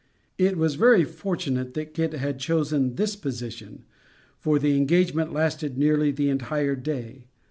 It was very fortunate that Kit had chosen this position, for the engagement lasted nearly the entire day.